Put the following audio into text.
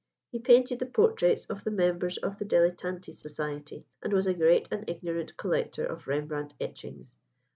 He painted the portraits of the members of the Dilettanti Society, and was a great and ignorant collector of Rembrandt etchings.